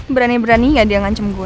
berani berani gak dia ngancem gue